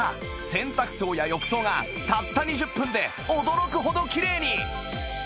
洗濯槽や浴槽がたった２０分で驚くほどきれいに